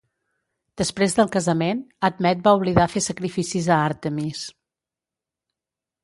Després del casament, Admet va oblidar fer sacrificis a Àrtemis.